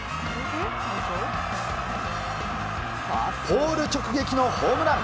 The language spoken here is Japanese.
ポール直撃のホームラン。